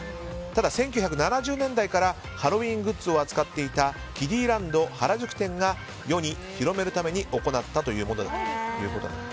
ただ、１９７０年代からハロウィーングッズを扱っていたキデイランド原宿店が世に広めるために行ったものだったということです。